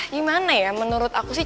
gimana ya menurut aku sih